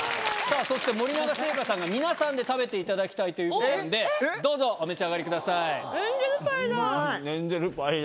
そして森永製菓さんが皆さんで食べていただきたいということなんで、どうぞ、お召し上がりくエンゼルパイだ。